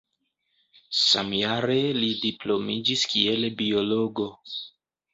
Samjare li diplomiĝis kiel biologo.